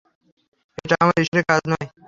এটা আমার ঈশ্বরের কাজ নয়।